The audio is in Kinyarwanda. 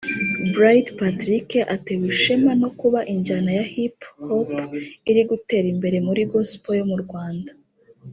Bright Patrick atewe ishema no kuba injyana ya Hip Hop iri gutera imbere muri Gospel yo mu Rwanda